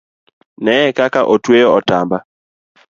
Neye kaka otweyo otamba